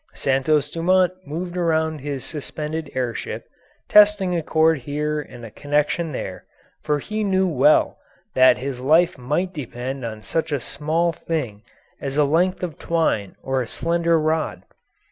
Santos Dumont moved around his suspended air ship, testing a cord here and a connection there, for he well knew that his life might depend on such a small thing as a length of twine or a slender rod.